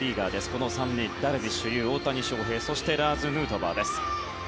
この３人、ダルビッシュ有大谷翔平そしてラーズ・ヌートバー。